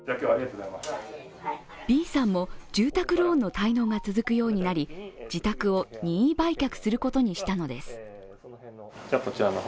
Ｂさんも住宅ローンの滞納が続くようになり、自宅を任意売却することにしたのです。